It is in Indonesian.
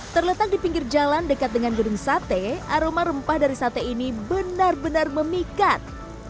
terletak di pinggir jalan dekat dengan gedung sate aroma rempah dari sate ini benar benar memikat